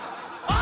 あ！